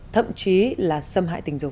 thậm chí là xâm hại tình dục